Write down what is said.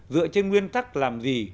dựa trên nguyên tắc làm gì